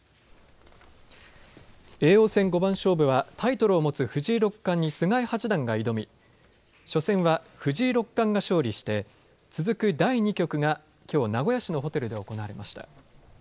叡王戦五番勝負はタイトルを持つ藤井六冠に菅井八段が挑み初戦は藤井六冠が勝利して続く第２局がきょう、名古屋市のホテルで行われました。